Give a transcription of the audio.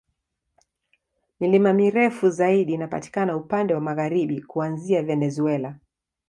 Milima mirefu zaidi inapatikana upande wa magharibi, kuanzia Venezuela.